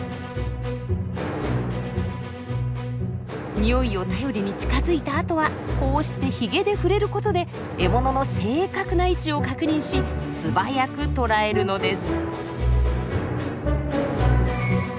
匂いを頼りに近づいたあとはこうしてヒゲで触れる事で獲物の正確な位置を確認し素早く捕らえるのです。